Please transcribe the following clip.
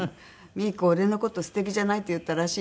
「ミーコ俺の事“素敵じゃない”って言ったらしいな」